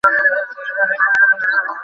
আচ্ছা, সে-সব নালিশের কথা পরে হইবে।